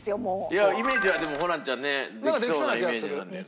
いやイメージはでもホランちゃんねできそうなイメージなんだよね。